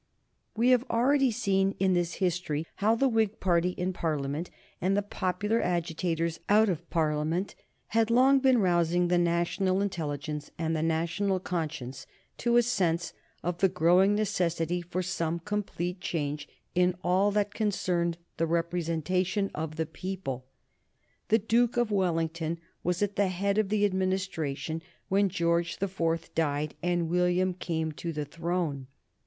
[Sidenote: 1830 The Princess Victoria] We have already seen in this history how the Whig party in Parliament, and the popular agitators out of Parliament, had long been rousing the national intelligence and the national conscience to a sense of the growing necessity for some complete change in all that concerned the representation of the people. The Duke of Wellington was at the head of the Administration when George the Fourth died and William came to the throne.